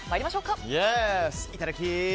いただき！